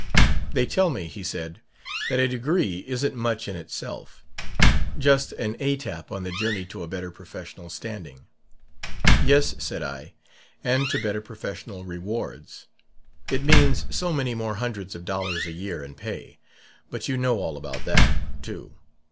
'They tell me,' he said, 'that a degree isn't much in itself just an étape on the journey to a better professional standing.' 'Yes,' said I, ' and to better professional rewards. It means so many more hundreds of dollars a year in pay.' But you know all about that, too.